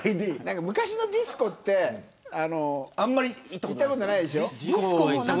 昔のディスコってあんまり行ったことないでしょう。